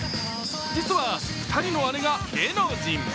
実は、２人の姉が芸能人。